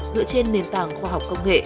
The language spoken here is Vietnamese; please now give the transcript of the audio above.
dựa trên nền tảng khoa học công nghệ